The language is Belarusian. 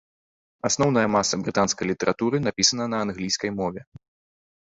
Асноўная маса брытанскай літаратуры напісана на англійскай мове.